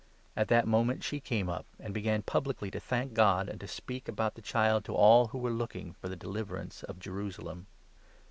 At that moment 38 she' came up, and began publicly to thank God and to speak about the child to all who were looking for the deliverance of Jerusalem.